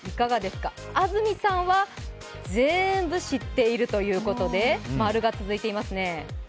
安住さんは全部知っているということで○が続いてますね。